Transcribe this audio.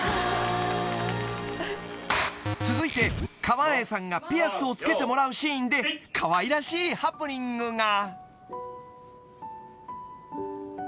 ［続いて川栄さんがピアスを着けてもらうシーンでかわいらしいハプニングが］